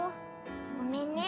ごめんね。